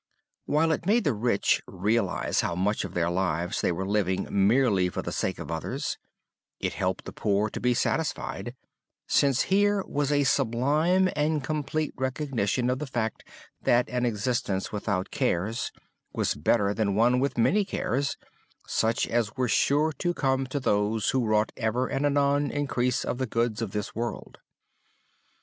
While it made the rich realize how much of their lives they were living merely for the sake of others, it helped the poor to be satisfied, since here was a sublime and complete recognition of the fact that an existence without cares was better than one with many cares, such as were sure to come to those who wrought ever and anon increase of the goods of this world.